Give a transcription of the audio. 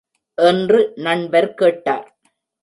என்று நண்பர் கேட்டார்.